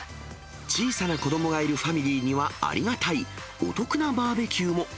小さな子どもがいるファミリーには、ありがたいお得なバーベキューも。